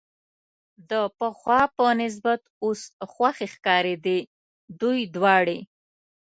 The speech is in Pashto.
د پخوا په نسبت اوس خوښې ښکارېدې، دوی دواړې.